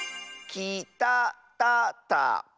きたたたか？